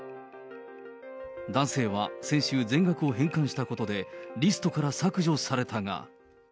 男性は先週、全額を返還したことで、リストから削除されたが。